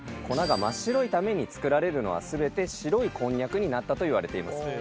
粉が真っ白いために作られるのは全て白いこんにゃくになったといわれています。